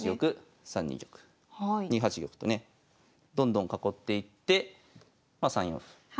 ２八玉とねどんどん囲っていってま３四歩。